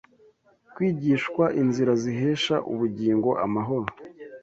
Kwigishwa inzira zihesha ubugingo, amahoro